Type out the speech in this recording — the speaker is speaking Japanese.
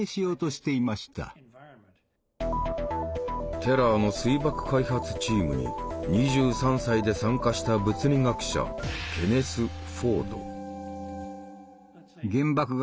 テラーの水爆開発チームに２３歳で参加した物理学者ケネス・フォード。